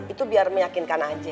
itu biar meyakinkan aja